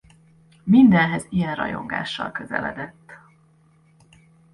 Mindenhez ilyen rajongással közeledett.